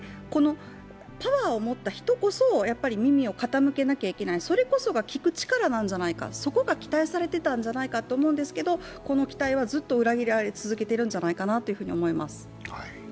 パワーを持った人こそ耳を傾けなきゃいけないそれこそ聞く力なんじゃないかそこが期待されてたんじゃないかと思うんですけど、この期待はずっと裏切られ続けてるんじゃないかなと思います。